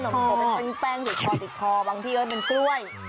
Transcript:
ขนมโกเป็นแป้งติดคอบางที่เขาเป็นกล้วย